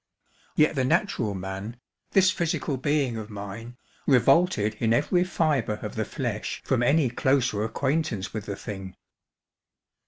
Yet the natural man, this physical being of mine, revolted in every fibre of the flesh from any closer acquaintance with the thing.